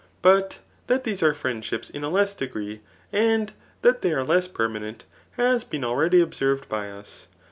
But that these are friendships in a less degree, and that they are less permanent, has been already observed by us.